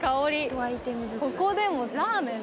ここでも。